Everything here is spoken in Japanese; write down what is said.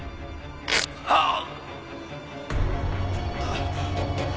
ああ！